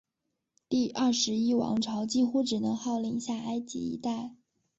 第二十一王朝几乎只能号令下埃及一带。